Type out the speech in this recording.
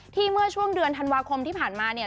เมื่อช่วงเดือนธันวาคมที่ผ่านมาเนี่ย